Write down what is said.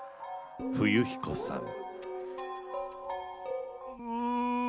冬彦さん。